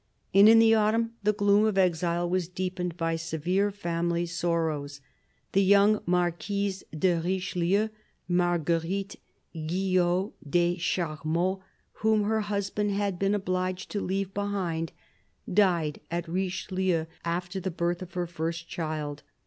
And in the autumn the gloom of exile was deepened by severe family sorrows. The young Marquise de Richelieu, Marguerite Guiot des Charmeaux, whom her husband had been obliged to leave behind, died at Richelieu after the birth of her first child.